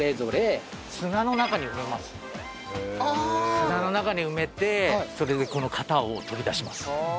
砂の中に埋めてそれでこの型を取り出します。